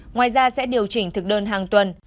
ngoài ra sẽ điều chỉnh thực đơn hàng tuần